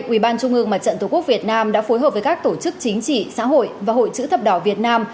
ubnd mặt trận tổ quốc việt nam đã phối hợp với các tổ chức chính trị xã hội và hội chữ thập đảo việt nam